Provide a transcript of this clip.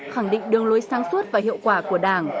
khẳng định đường lối sáng suốt và hiệu quả của đảng